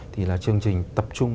thì là chương trình tập trung